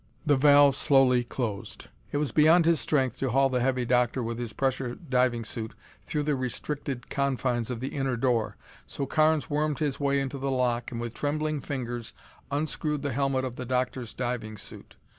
The valve slowly closed. It was beyond his strength to haul the heavy Doctor with his pressure diving suit through the restricted confines of the inner door, so Carnes wormed his way into the lock and with trembling fingers unscrewed the helmet of the Doctor's diving suit.